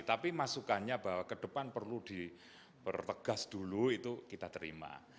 tapi masukannya bahwa ke depan perlu dipertegas dulu itu kita terima